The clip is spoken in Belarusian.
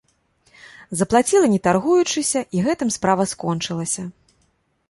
Заплаціла не таргуючыся, і гэтым справа скончылася.